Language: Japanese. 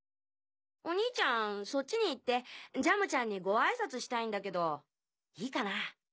おにいちゃんそっちに行ってジャムちゃんにご挨拶したいんだけどいいかな？